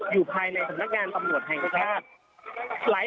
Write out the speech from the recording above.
อยู่ภายในสำนักงานชังหัวไทย